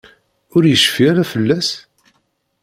Ur yecfi ara fell-as?